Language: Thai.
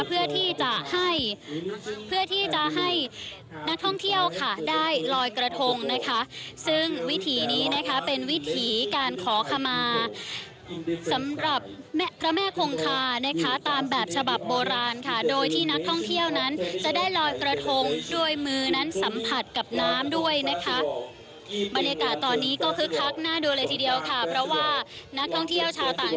เพื่อที่จะให้เพื่อที่จะให้นักท่องเที่ยวค่ะได้ลอยกระทงนะคะซึ่งวิถีนี้นะคะเป็นวิถีการขอขมาสำหรับแม่พระแม่คงคานะคะตามแบบฉบับโบราณค่ะโดยที่นักท่องเที่ยวนั้นจะได้ลอยกระทงด้วยมือนั้นสัมผัสกับน้ำด้วยนะคะบรรยากาศตอนนี้ก็คึกคักน่าดูเลยทีเดียวค่ะเพราะว่านักท่องเที่ยวชาวต่าง